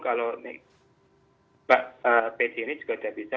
kalau pj ini juga sudah bisa